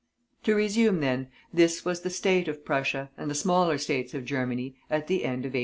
To resume, then; this was the state of Prussia, and the smaller States of Germany, at the end of 1847.